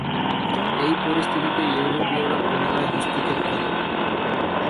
এই পরিস্থিতিতে ইউরোপীয়রা পুনরায় হস্তক্ষেপ করে।